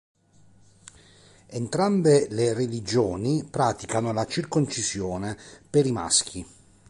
Entrambe le religioni praticano la circoncisione per i maschi.